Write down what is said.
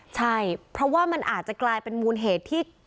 ใช่เพราะว่ามันอาจจะกลายเป็นมูลเหตุที่